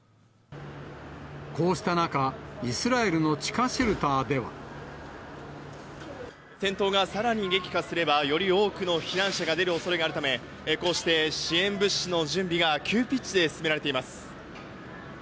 こうした中、戦闘がさらに激化すれば、より多くの避難者が出るおそれがあるため、こうして支援物資の準備が急ピッチで進められています。